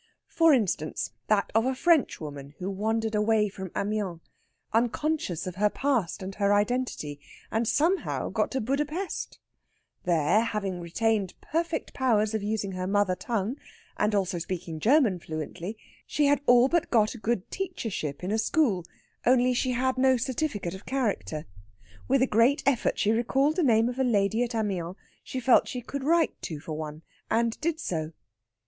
For instance, that of a Frenchwoman who wandered away from Amiens, unconscious of her past and her identity, and somehow got to Buda Pesth. There, having retained perfect powers of using her mother tongue, and also speaking German fluently, she had all but got a good teachership in a school, only she had no certificate of character. With a great effort she recalled the name of a lady at Amiens she felt she could write to for one, and did so.